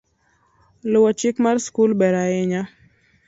Luwo chik mar sikul ber ahinya